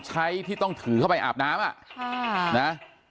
ที่ต้องถือเข้าไปอาบน้ำอ่ะนะ